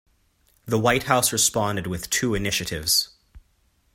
The White House responded with two initiatives.